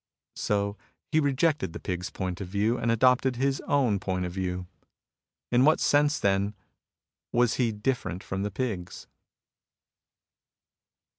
So he rejected the pigs' point of view and adopted his own point of view. In what sense, then, was he different from the pigs